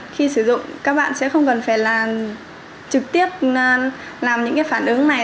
khi sử dụng các bạn sẽ không cần phải là trực tiếp làm những cái phản ứng này